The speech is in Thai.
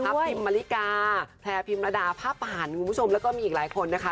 พับพิมพ์มริกาแทรพิมพ์ระดาษภาพผ่านคุณผู้ชมแล้วก็มีอีกหลายคนนะคะ